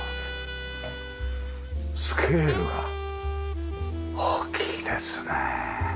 スケールが大きいですね。